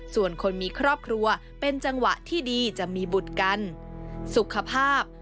ส่วนคนมีครอบครัวเป็นจังหวะที่ดีจะมีบุตรกันสุขภาพ